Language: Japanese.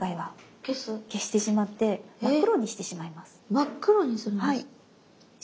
真っ黒にするんです？